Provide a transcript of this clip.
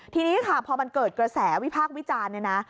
ทีนี้ค่ะพอมันเกิดกระแสวิภาควิจารณ์